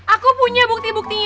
aku punya bukti buktinya